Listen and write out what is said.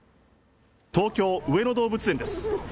東京・上野動物園です。